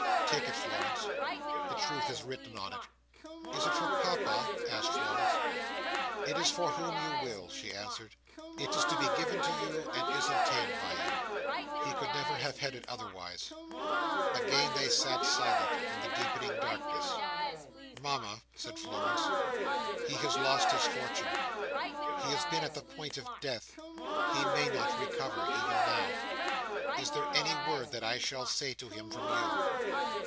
Take it, Florence. The truth is written in it." "Is it for Papa?" asked Florence. "It is for whom you will," she answered. "It is given to you, and is obtained by you. He never could have had it otherwise." Again they sat silent, in the deepening darkness. "Mama," said Florence, "he has lost his fortune; he has been at the point of death; he may not recover, even now. Is there any word that I shall say to him from you?"